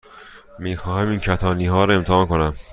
می خواهم این کتانی ها را امتحان کنم.